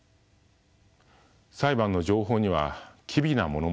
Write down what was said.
裁判の情報には機微なものも多くあります。